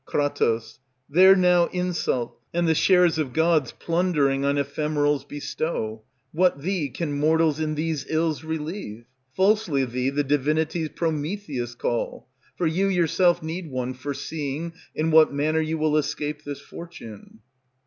Kr. There now insult, and the shares of gods Plundering on ephemerals bestow; what thee Can mortals in these ills relieve? Falsely thee the divinities Prometheus Call; for you yourself need one foreseeing In what manner you will escape this fortune.